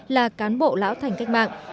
là cán bộ lão thành cách mạng